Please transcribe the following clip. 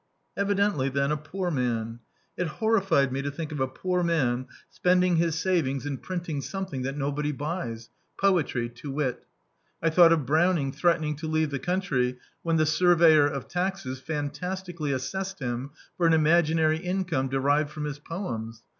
Evidently, then, a poor man. It horrified me to think of a poor man spending his savings in print D,i.,.db, Google Preface ing something that nobody buys : poetry* to wit I thou^t of Browning threatening to leave the country when the Surveyor of Taxes fantastically assessed him for an imaginary income derived from his poems.